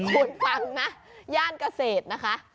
คุณฟังนะย่านเกษตรนะคะ